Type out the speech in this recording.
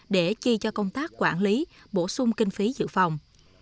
để chi cho công tác quản lý bổ sung kinh phí dự phòng